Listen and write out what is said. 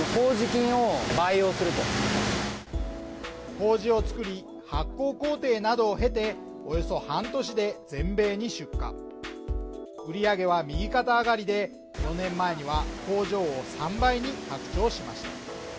こうじを作り、発酵工程などを経て、およそ半年で全米に出荷売上は右肩上がりで、４年前には工場を３倍に拡張しました。